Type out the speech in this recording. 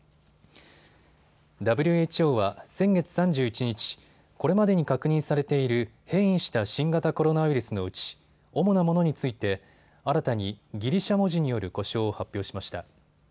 ＷＨＯは先月３１日、これまでに確認されている変異した新型コロナウイルスのうち主なものについて新たにギリシャ文字による呼称を発表しました。